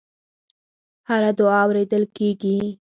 هره دعا اورېدل کېږي.